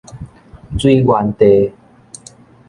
水源地